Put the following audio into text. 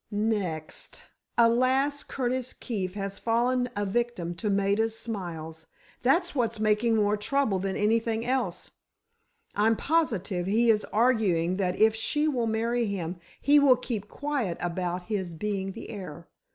"Next—alas, Curt Keefe has fallen a victim to Maida's smiles. That's what's making more trouble than anything else. I'm positive he is arguing that if she will marry him he will keep quiet about his being the heir.